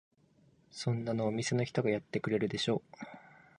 そんなのお店の人がやってくれるでしょ。